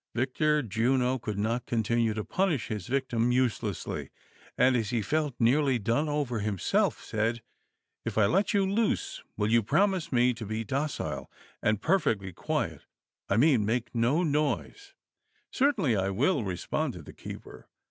Vic tor Juno could not coutinue to punish his victim uselessly, and as he felt nearly done over himself, said :" If 1 let you loose, will you promise me to be docile and perfectly quiet — I mean, make no noise V " "Certainly I will," responded the keeper.